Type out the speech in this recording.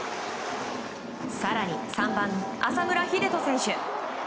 更に３番、浅村栄斗選手。